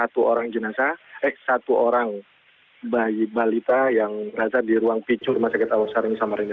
masih ada satu orang jenazah eh satu orang bayi balita yang rasa di ruang picu rumah sakit awam sarani samarenda